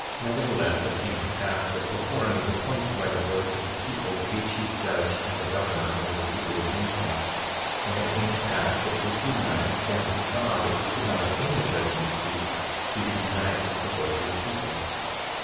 1:5 Nevertheless, it came to pass that Pahoran was appointed by the voice of the people to be chief judge and a governor over the people of Nephi. 1:6 And it came to pass that Pacumeni, when he saw that he could not obtain the judgment seat, he did unite with the voice of the people.